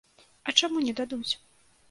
А чаму не дадуць?